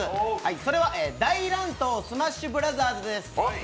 それは「大乱闘スマッシュブラザーズ」です。